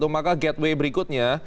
maka gateway berikutnya